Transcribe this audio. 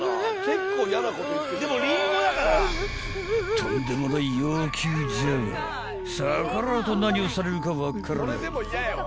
［とんでもない要求じゃが逆らうと何をされるか分からない］